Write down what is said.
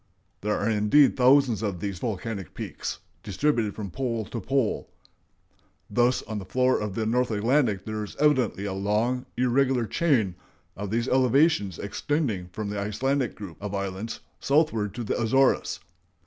There are indeed thousands of these volcanic peaks distributed from pole to pole.... Thus on the floor of the North Atlantic there is evidently a long, irregular chain of these elevations extending from the Icelandic group of islands southward to the Azores.